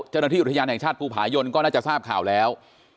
เจ้าหน้าที่อุทยานแห่งชาติภูผายนก็น่าจะทราบข่าวแล้ว